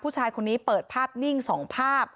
ผู้ชายคนนี้เปิดภาพนิ่ง๒ภาพ